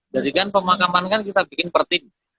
jadi kan pemakaman kan kita bikin per tim